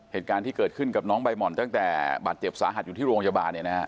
เหตุการณ์ที่เกิดขึ้นกับน้องใบหม่อนตั้งแต่บาดเจ็บสาหัสอยู่ที่โรงพยาบาลเนี่ยนะฮะ